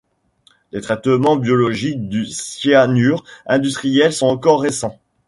Les traitements biologiques du cyanure industriel sont encore récents.